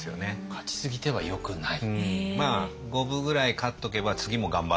勝ちすぎてはよくない。